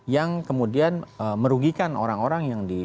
yang kemudian merugikan orang orang yang di